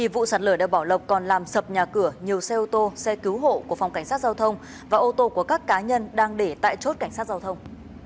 vụ sạt lở đeo bảo lộc còn làm sập nhà cửa nhiều xe ô tô xe cứu hộ của phòng cảnh sát giao thông và ô tô của các cá nhân đang để tại chốt cảnh sát giao thông